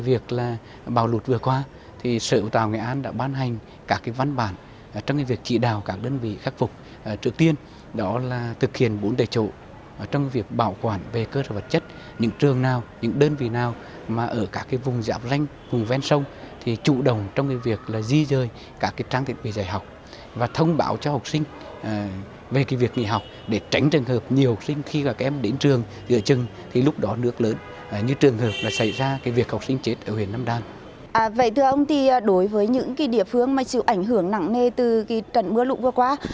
vậy thưa ông thì đối với những địa phương mà chịu ảnh hưởng nặng nề từ trận mưa lụng vừa qua